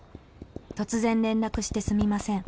突然連絡してすみません」